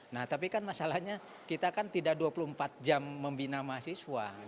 nah tapi kan masalahnya kita kan tidak dua puluh empat jam membina mahasiswa